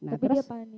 tapi dia panik